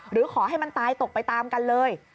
หรือขอให้มันตายตกไปตามกันเลย